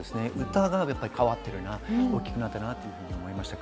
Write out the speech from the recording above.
歌が変わっているなと、大きくなったなと思いました。